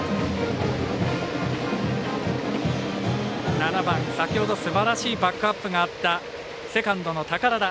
７番、先ほどすばらしいバックアップがあったセカンドの寳田。